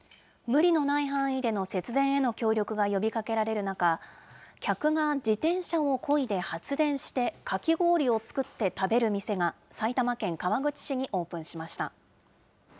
無理のない範囲での節電への協力が呼びかけられる中、客が自転車をこいで発電して、かき氷を作って食べる店が、埼玉県川口市にオープンしました。